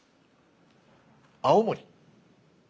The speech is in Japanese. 青森。